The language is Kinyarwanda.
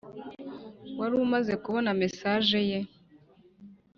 warumaze kubona mesage ye